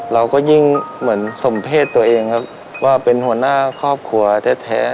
เราก็ยิ่งเหมือนสมเพศตัวเองครับว่าเป็นหัวหน้าครอบครัวแท้